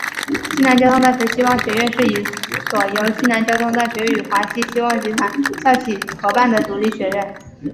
西南交通大学希望学院是一所由西南交通大学与华西希望集团校企合办的独立学院。